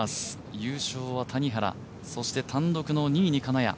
優勝は谷原そして単独の２位に金谷。